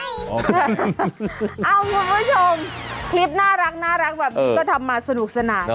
เอาคุณผู้ชมคลิปน่ารักแบบนี้ก็ทำมาสนุกสนาน